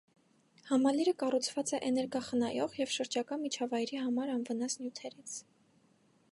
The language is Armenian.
Համալիրը կառուցված է էներգախնայող և շրջակա միջավայրի համար անվնաս նյութերից։